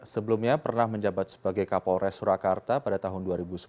sebelumnya pernah menjabat sebagai kapolres surakarta pada tahun dua ribu sebelas